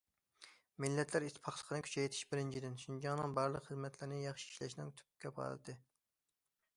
مىللەتلەر ئىتتىپاقلىقىنى كۈچەيتىش بىرىنچىدىن، شىنجاڭنىڭ بارلىق خىزمەتلىرىنى ياخشى ئىشلەشنىڭ تۈپ كاپالىتى.